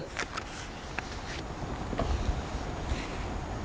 công an huyện đông hải